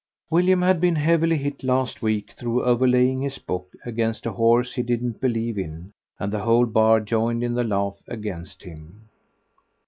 William had been heavily hit last week through overlaying his book against a horse he didn't believe in, and the whole bar joined in the laugh against him.